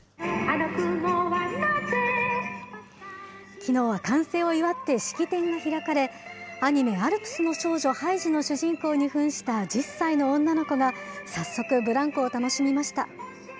きのうは完成を祝って式典が開かれ、アニメ、アルプスの少女ハイジの主人公にふんした１０歳の女の子が、早速ブランコを楽しみました。